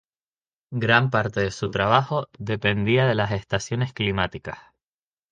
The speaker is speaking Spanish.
Gran parte de su trabajo dependía de las estaciones climáticas.